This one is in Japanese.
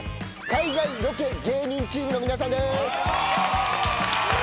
海外ロケ芸人チームの皆さんです。